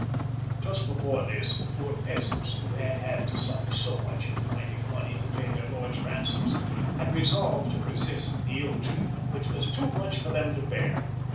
Just before this the poor peasants, who had had to suffer so much in finding money to pay their lords' ran soms, had resolved to resist the ill treatment, which was too much for them to bear.